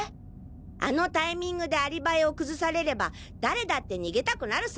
あのタイミングでアリバイを崩されれば誰だって逃げたくなるさ。